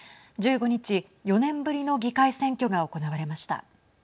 １５日、４年ぶりの議会選挙が行われました。